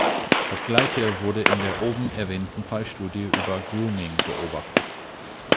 Das Gleiche wurde in der oben erwähnten Fallstudie über Grooming beobachtet.